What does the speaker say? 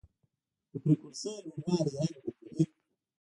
د فریکونسۍ لوړوالی رنګ بدلوي.